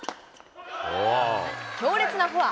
強烈なフォア。